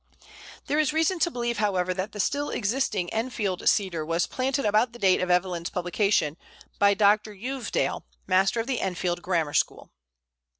There is reason to believe, however, that the still existing Enfield Cedar was planted about the date of Evelyn's publication by Dr. Uvedale, master of the Enfield Grammar School.